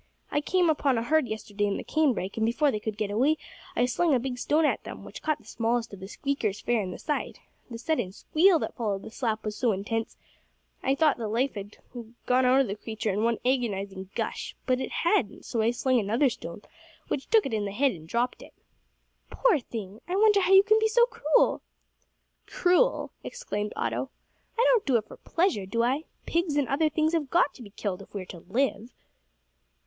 I came upon a herd yesterday in the cane brake, and, before they could get away, I slung a big stone at them, which caught the smallest of the squeakers fair in the side. The sudden squeal that followed the slap was so intense, that I thought the life had gone out of the creature in one agonising gush; but it hadn't, so I slung another stone, which took it in the head and dropt it." "Poor thing! I wonder how you can be so cruel." "Cruel!" exclaimed Otto, "I don't do it for pleasure, do I? Pigs and other things have got to be killed if we are to live."